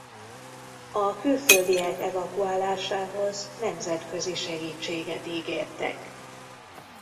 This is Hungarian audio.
A külföldiek evakuálásához nemzetközi segítséget ígértek.